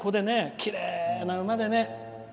きれいな馬でね。